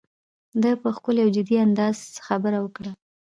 ده په ښکلي او جدي انداز خبره وکړه.